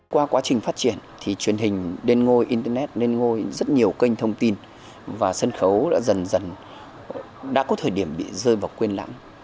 qua quá trình phát triển thì truyền hình đen ngôi internet đen ngôi rất nhiều kênh thông tin và sân khấu đã dần dần đã có thời điểm bị rơi vào quên lắm